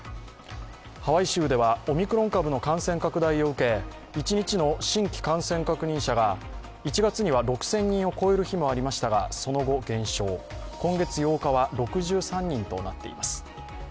ハワイ州ではオミクロン株の感染拡大を受け一日の新規感染者が１月には６０００人を超える日もありましたがその後減少、今月８日は６３人となっています。